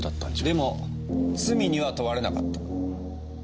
でも罪には問われなかった。